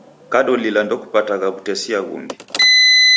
Kadolila ndekupatagha w'utesia ghungi